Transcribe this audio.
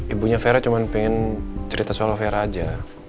ibunya vera cuma pengen cerita soal vera aja